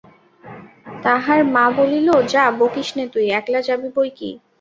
তাহার মা বলিল, যাঃ, বকিস নে তুই, একলা যাবি বই কি?